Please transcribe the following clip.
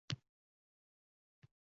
Filippinga yana uchib bordi.